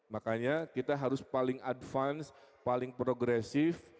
makanya kita harus paling advance paling progresif